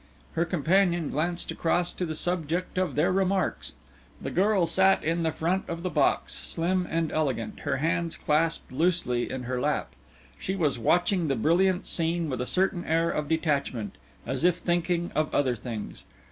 Her companion glanced across to the subject of their remarks. The girl sat in the front of the box, slim and elegant, her hands clasped loosely in her lap. She was watching the brilliant scene with a certain air of detachment, as if thinking of other things.